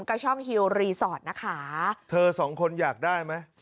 กระช่องฮิวรีสอร์ทนะคะเธอสองคนอยากได้ไหม